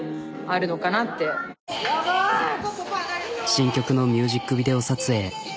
新曲のミュージックビデオ撮影。